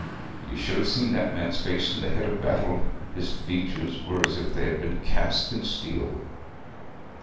You should have seen that man's face in the het o' battle, his features were as if they'd been cast in steel.'